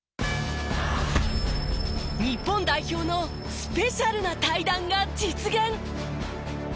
日本代表のスペシャルな対談が実現。